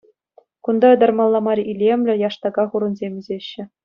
Кунта ытармалла мар илемлӗ яштака хурӑнсем ӳсеҫҫӗ.